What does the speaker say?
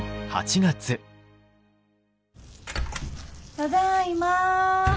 ただいま。